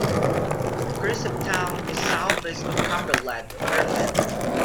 Cresaptown is southwest of Cumberland, Maryland.